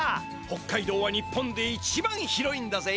北海道は日本で一番広いんだぜ。